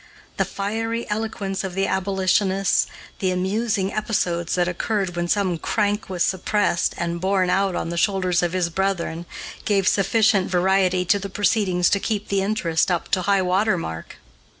The fiery eloquence of the abolitionists, the amusing episodes that occurred when some crank was suppressed and borne out on the shoulders of his brethren, gave sufficient variety to the proceedings to keep the interest up to high water mark.